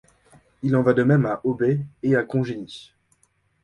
Il en va de même à Aubais et à Congénies.